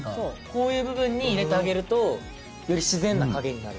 こういう部分に入れてあげるとより自然な影になる。